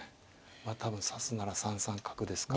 多分指すなら３三角ですか。